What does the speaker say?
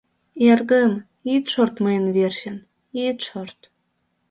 — Эргым, ит шорт мыйын верчын... ит шорт...